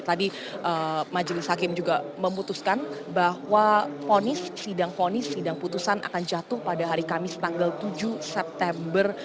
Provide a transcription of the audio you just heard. tadi majelis hakim juga memutuskan bahwa ponis sidang fonis sidang putusan akan jatuh pada hari kamis tanggal tujuh september